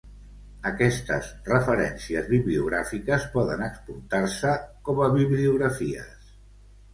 Aquestes referències bibliogràfiques poden exportar-se com a bibliografies.